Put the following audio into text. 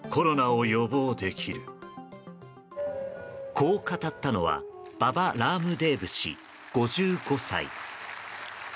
こう語ったのはババ・ラームデーブ氏、５５歳。